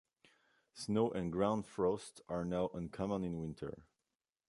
Snow and ground frost are not uncommon in winter.